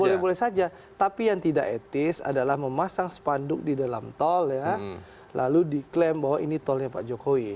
boleh boleh saja tapi yang tidak etis adalah memasang spanduk di dalam tol ya lalu diklaim bahwa ini tolnya pak jokowi